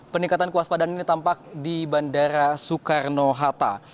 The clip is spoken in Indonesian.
peningkatan kuas padaan ini tampak di bandara soekarno hatta